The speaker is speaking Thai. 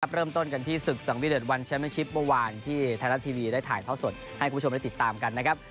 เริ่มต้นกันที่ศึกสังวิเดชวันแชมป์ชิปเมื่อวานที่ไทยรัฐทีวีได้ถ่ายท่อสดให้คุณผู้ชมได้ติดตามกันนะครับ